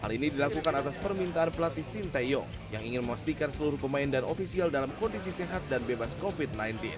hal ini dilakukan atas permintaan pelatih sinteyong yang ingin memastikan seluruh pemain dan ofisial dalam kondisi sehat dan bebas covid sembilan belas